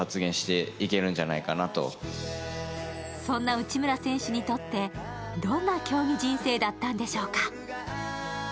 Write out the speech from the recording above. そんな内村選手にとってどんな競技人生だったんでしょうか？